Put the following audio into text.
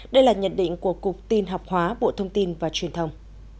đây là nhận định của cục tin học hóa bộ thông tin và truyền thông